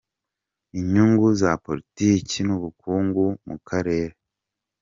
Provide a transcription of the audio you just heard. Inyungu za politiki n’ubukungu mu karere